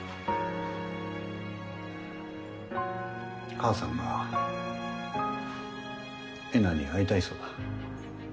母さんがえなに会いたいそうだ。